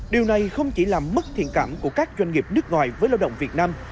điều này không chỉ làm mất thiện cảm của các doanh nghiệp nước ngoài với lao động việt nam